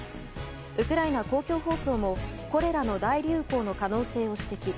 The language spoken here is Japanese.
ウクライナ公共放送もコレラの大流行の可能性を指摘。